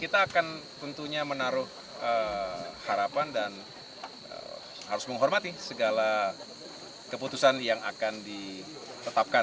kita akan tentunya menaruh harapan dan harus menghormati segala keputusan yang akan ditetapkan